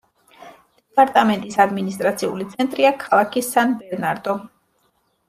დეპარტამენტის ადმინისტრაციული ცენტრია ქალაქი სან-ბერნარდო.